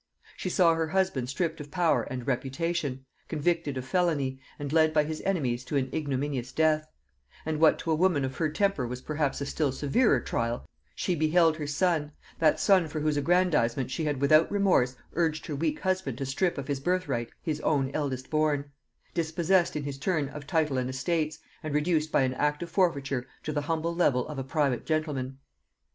She saw her husband stripped of power and reputation, convicted of felony, and led by his enemies to an ignominious death; and what to a woman of her temper was perhaps a still severer trial, she beheld her son, that son for whose aggrandizement she had without remorse urged her weak husband to strip of his birthright his own eldest born, dispossessed in his turn of title and estates, and reduced by an act of forfeiture to the humble level of a private gentleman.